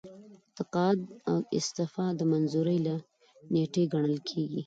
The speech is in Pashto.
تقاعد د استعفا د منظورۍ له نیټې ګڼل کیږي.